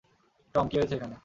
Tom, কী হয়েছে এখানে?